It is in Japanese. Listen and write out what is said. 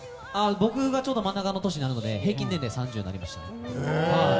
僕がちょうど真ん中の年になるので平均年齢３０になりました。